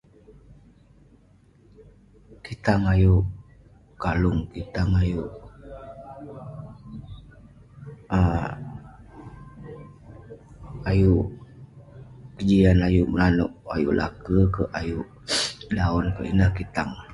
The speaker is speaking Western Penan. kitang ayuk kalung, kitang ayuk um ayuk pejian, ayuk maneuk ayuk la'ke kerk. ayuk daon kerk. ineh kitang.